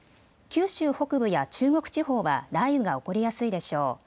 九州北部や中国地方は雷雨が起こりやすいでしょう。